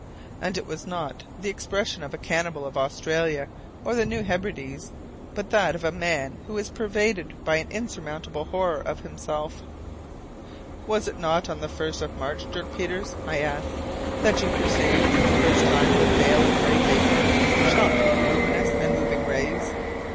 And it was not the expression of a cannibal of Australia or the New Hebrides, but that of a man who is pervaded by an insurmountable horror of himself. "Was it not on the 1st of March, Dirk Peters," I asked, "that you perceived for the first time the veil of grey vapour shot with luminous and moving rays?"